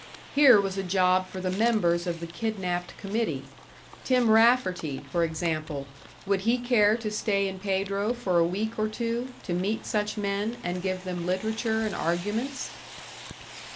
Here was a job for the members of the kidnapped committee; Tim Rafferty, for example would he care to stay in Pedro for a week or two, to meet such men, and give them literature and arguments?